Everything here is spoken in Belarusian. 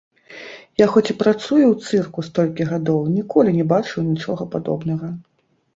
Я, хоць і працую ў цырку столькі гадоў, ніколі не бачыў нічога падобнага.